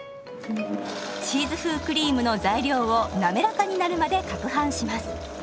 チーズ風クリームの材料をなめらかになるまでかくはんします。